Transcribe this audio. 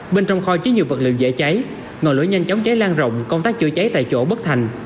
bên trong kho chứa nhiều vật liệu dễ cháy ngọn lửa nhanh chóng cháy lan rộng công tác chữa cháy tại chỗ bất thành